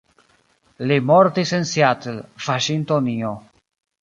Li mortis en Seattle, Vaŝingtonio.